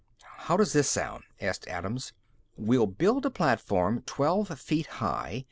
"How does this sound?" asked Adams. "We'll build a platform twelve feet high.